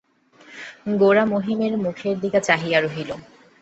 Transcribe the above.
গোরা মহিমের মুখের দিকে চাহিয়া রহিল।